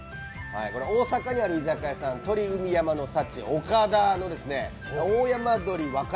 大阪にある居酒屋さん、鶏海山の幸おかだの大山どりわか